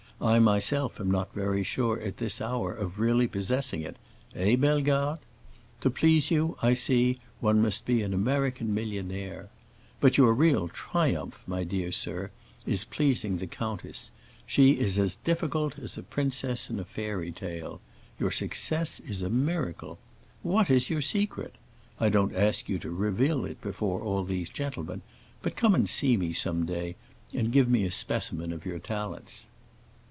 I myself am not very sure at this hour of really possessing it. Eh, Bellegarde? To please you, I see, one must be an American millionaire. But your real triumph, my dear sir, is pleasing the countess; she is as difficult as a princess in a fairy tale. Your success is a miracle. What is your secret? I don't ask you to reveal it before all these gentlemen, but come and see me some day and give me a specimen of your talents."